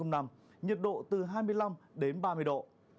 nhiệt độ từ hai mươi năm đến ba mươi độ